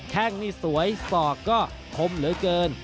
แค่งนี่สวยสอกก็คมเหลือเกิน